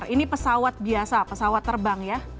ini pesawat biasa pesawat terbang ya